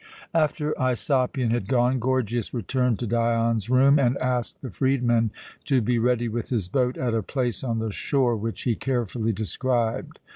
After Aisopion had gone, Gorgias returned to Dion's room and asked the freedman to be ready with his boat at a place on the shore which he carefully described.